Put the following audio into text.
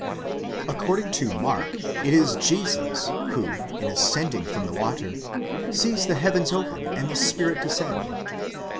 According to Mark it is Jesus, who, in ascending from the water, sees the heavens open and the Spirit descend.